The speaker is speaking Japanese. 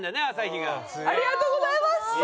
ありがとうございます。